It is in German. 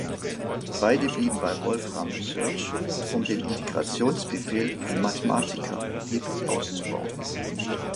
Beide blieben bei Wolfram Research um den Integrations-Befehl von Mathematica erheblich auszubauen.